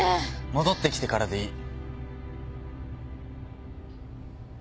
戻ってきてからでいい。